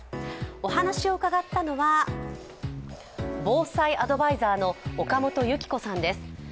お話を伺ったのは防災アドバイザーの岡本裕紀子さんです。